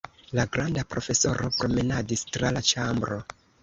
La granda profesoro promenadis tra la ĉambro.